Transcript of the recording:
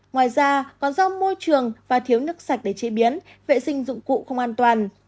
ngoài ra còn do môi trường và thiếu nước sạch để chế biến vệ sinh dụng cụ không an toàn